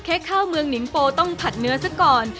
ข้าวเมืองนิงโปต้องผัดเนื้อซะก่อน